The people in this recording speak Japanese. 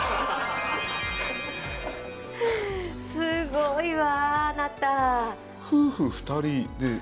すごいわあなた。